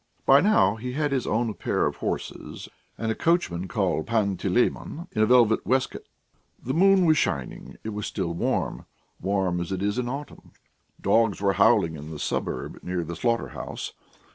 By now he had his own pair of horses, and a coachman called Panteleimon, in a velvet waistcoat. The moon was shining. It was still warm, warm as it is in autumn. Dogs were howling in the suburb near the slaughter house.